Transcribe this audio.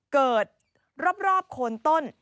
เกิดรอบโคนต้น